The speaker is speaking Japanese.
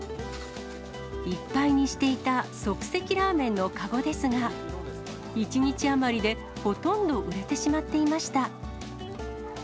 いっぱいにしていた即席ラーメンの籠ですが、１日余りで、ほとんど売れてしまっていました。